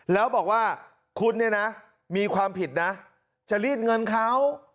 แล้วบอกว่าคุณเนี่ยนะมีความผิดนะจะรีดเงินเขา